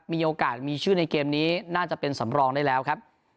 มีโอกาสมีชื่อในเกมนี้น่าจะเป็นสำรองได้แล้วครับ